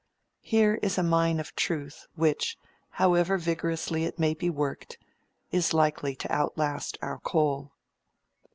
Here is a mine of truth, which, however vigorously it may be worked, is likely to outlast our coal.